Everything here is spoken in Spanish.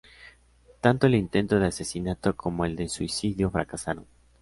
Tanto el intento de asesinato como el de suicidio fracasaron.